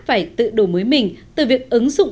phải tự đổ mới mình từ việc ứng dụng